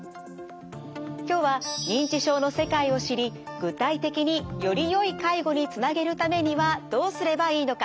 今日は認知症の世界を知り具体的によりよい介護につなげるためにはどうすればいいのか。